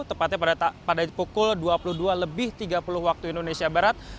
tepatnya pada pukul dua puluh dua lebih tiga puluh waktu indonesia barat